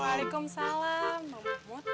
waalaikumsalam mbak mahmud